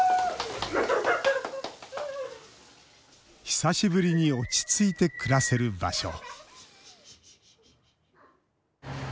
久しぶりに落ち着いて暮らせる場所。